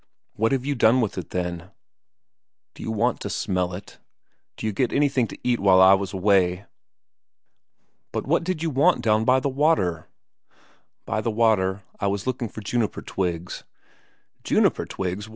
"What have you done with it, then?" "D'you want to smell it? D'you get anything to eat while I was away?" "But what did you want down by the water?" "By the water? I was looking for juniper twigs." "Juniper twigs?